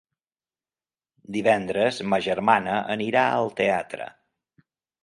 Divendres ma germana anirà al teatre.